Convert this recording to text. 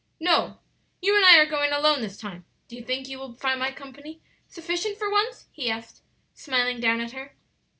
"No; you and I are going alone this time; do you think you will find my company sufficient for once?" he asked, smiling down at her.